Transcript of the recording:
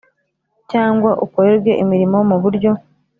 cyangwa ukorerwe imirimo mu buryo